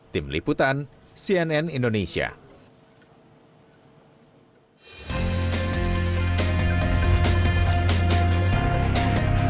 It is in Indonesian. tim liputan cnn indonesia